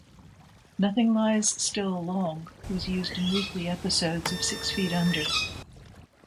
"Nothing Lies Still Long" was used in weekly episodes of "Six Feet Under".